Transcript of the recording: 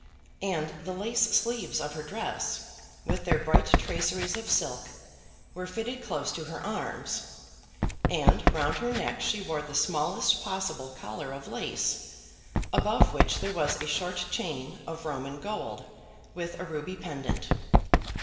And the lace sleeves of her dress, with their bright traceries of silk, were fitted close to her arms; and round her neck she wore the smallest possible collar of lace, above which there was a short chain of Roman gold with a ruby pendant.